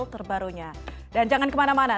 terima kasih stephanie